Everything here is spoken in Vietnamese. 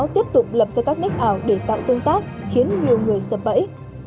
tiếp tục lập ra các nec ảo để tạo tương tác khiến nhiều người sập bẫy